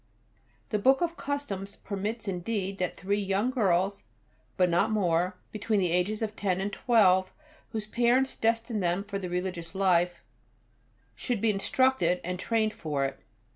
The Book of Customs permits indeed that three young girls, but not more, between the ages of ten and twelve, whose parents destine them for the Religious life, should be instructed and trained for it.